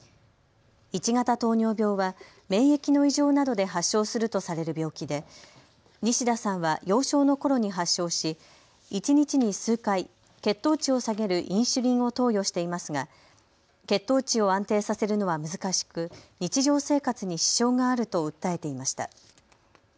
１型糖尿病は免疫の異常などで発症するとされる病気で西田さんは幼少のころに発症し一日に数回、血糖値を下げるインシュリンを投与していますが血糖値を安定させるのは難しく日常生活に支障があると訴えていました。